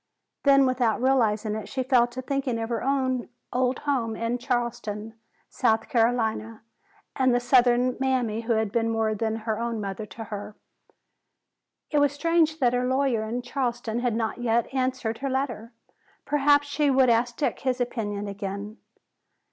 Then without realizing it she fell to thinking of her own old home in Charleston, South Carolina, and of the southern "mammy," who had been more than her own mother to her. It was strange that her lawyer in Charleston had not yet answered her letter. Perhaps she would ask Dick his opinion again.